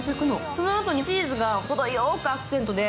そのあとにチーズが程よくアクセントで。